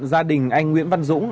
gia đình anh nguyễn văn dũng